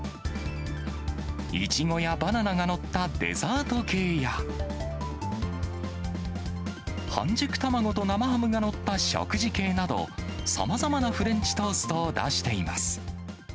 いちごやバナナが載ったデザート系や、半熟卵と生ハムが載った食事系など、さまざまなフレンチトーストを出しています。